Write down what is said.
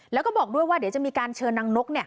แล้วก็บอกด้วยว่าเดี๋ยวจะมีการเชิญนางนก